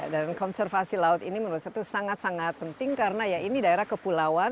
dan konservasi laut ini menurut saya sangat sangat penting karena ini daerah kepulauan